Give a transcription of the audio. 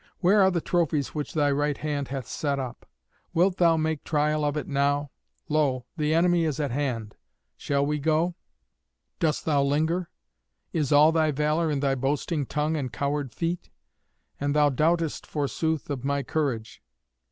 Where are the trophies which thy right hand hath set up? Wilt thou make trial of it now? Lo! the enemy is at hand. Shall we go? Dost thou linger? Is all thy valour in thy boasting tongue and coward feet? And thou doubtest, forsooth, of my courage.